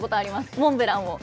モンブランを。